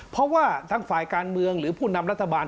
เพราะว่าทางฝ่ายการเมืองหรือผู้นำรัฐบาล